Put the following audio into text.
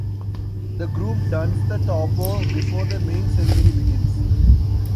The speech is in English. The groom dons the topor before the main ceremony begins.